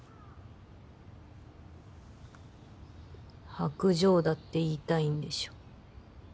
薄情だって言いたいんでしょ